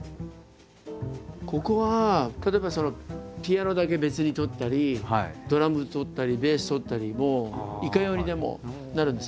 ここは例えばピアノだけ別にとったりドラムとったりベースとったりもういかようにでもなるんです。